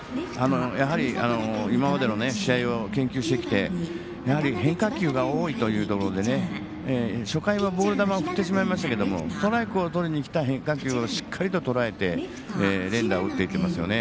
今までの試合を研究してきてやはり変化球が多いというところ初回はボール球を振ってしまいましたけどストライクをとりにきた変化球をしっかり、とらえて連打を打っていっていますよね。